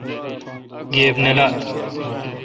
گیب نہ لات۔